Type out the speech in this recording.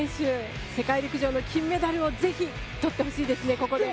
世界陸上の金メダルをぜひとってほしいですね、ここで。